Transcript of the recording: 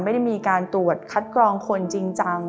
ไม่ได้มีการตรวจคัดกรองคนจริงจัง